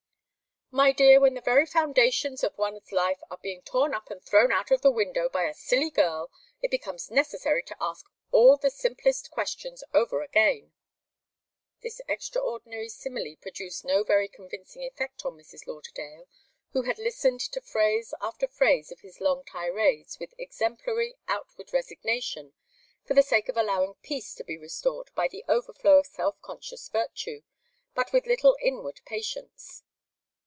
"My dear, when the very foundations of one's life are being torn up and thrown out of the window by a silly girl, it becomes necessary to ask all the simplest questions over again." This extraordinary simile produced no very convincing effect on Mrs. Lauderdale, who had listened to phrase after phrase of his long tirades with exemplary outward resignation, for the sake of allowing peace to be restored by the overflow of self conscious virtue, but with little inward patience.